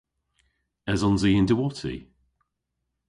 Esons i y'n diwotti?